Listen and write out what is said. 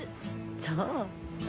そう。